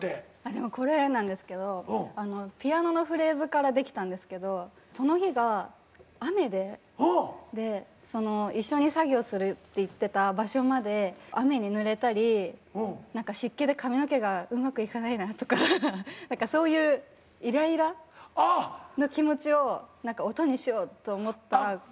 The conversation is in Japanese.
でもこれなんですけどピアノのフレーズからできたんですけどその日が雨で一緒に作業するって言ってた場所まで雨にぬれたり湿気で髪の毛がうまくいかないなとか何かそういうイライラの気持ちを何か音にしようと思ったらこのフレーズが。